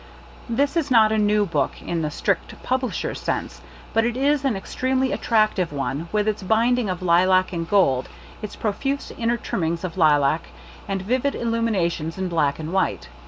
This is not a new book, in the strict publisher's sense, but it is an ex tremely attractive one, with its binding of lilac and gold, its pro fuse inner trimmings of lilac, and vivid illuminations in black and white.